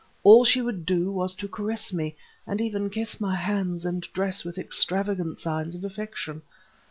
All she would do was to caress me, and even kiss my hands and dress with extravagant signs of affection.